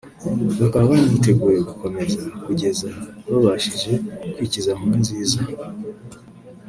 bakaba baniteguye gukomeza kugeza babashije kwikiza Nkurunziza